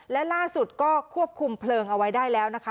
และล่าสุดก็ควบคุมเพลิงเอาไว้ได้แล้วนะคะ